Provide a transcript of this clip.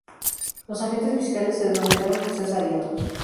Los agentes fiscales se denominaron "cesarianos".